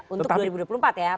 untuk dua ribu dua puluh empat ya